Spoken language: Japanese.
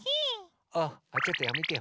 あちょっとやめてよ。